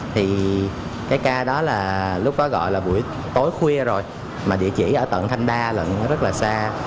thì cái ca đó là lúc đó gọi là buổi tối khuya rồi mà địa chỉ ở tận thanh đa luận rất là xa